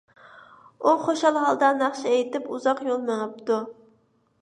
ئۇ خۇشال ھالدا ناخشا ئېيتىپ، ئۇزاق يول مېڭىپتۇ.